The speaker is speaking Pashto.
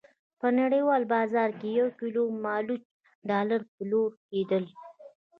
په نړیوال بازار کې یو کیلو مالوچ ډالر پلورل کېدل.